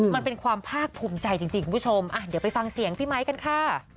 มันเป็นความภาคภูมิใจจริงคุณผู้ชมเดี๋ยวไปฟังเสียงพี่ไมค์กันค่ะ